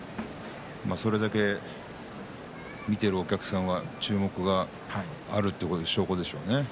それだけ見ているお客さんは注目があるという証拠でしょうね。